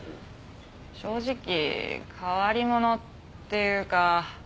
正直変わり者っていうか。